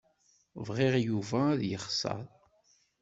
Bɣiɣ Yuba ad yexṣer.